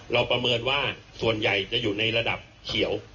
ประเมินว่าส่วนใหญ่จะอยู่ในระดับเขียว